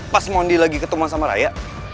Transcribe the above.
pas mondi lagi ketemu sama raya